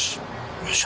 よいしょ。